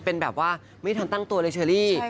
เป็นแบบว่าไม่ทันตั้งตัวเลยเชอรี่